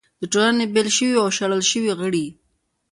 د ټولنې بېل شوي او شړل شوي غړي